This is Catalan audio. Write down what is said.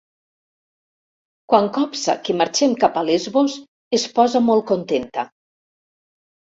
Quan copsa que marxem cap a Lesbos es posa molt contenta.